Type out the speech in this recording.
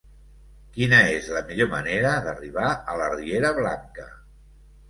Quina és la millor manera d'arribar a la riera Blanca?